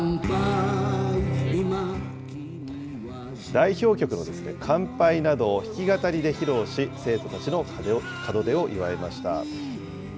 代表曲の乾杯などを弾き語りで披露し、生徒たちの門出を祝いました。